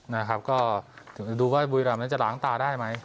นะครับก็ถึงดูว่าบุรีรำนั้นจะล้างตาได้ไหม